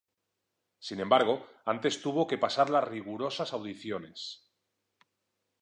Sin embargo, antes tuvo que pasar las rigurosas audiciones.